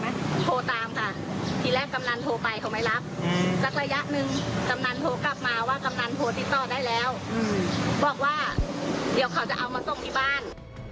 บอกว่าเดี๋ยวเขาจะเอามาต้มที่บ้าน